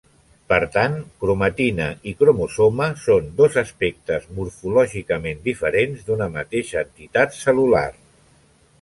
Per tant, cromatina i cromosoma són dos aspectes morfològicament diferents d'una mateixa entitat cel·lular.